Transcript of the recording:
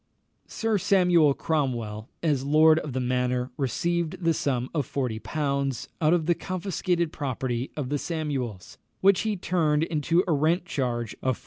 Sir Samuel Cromwell, as lord of the manor, received the sum of 40l. out of the confiscated property of the Samuels, which he turned into a rent charge of 40s.